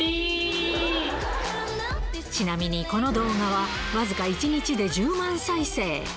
ちなみにこの動画は、僅か１日で１０万再生。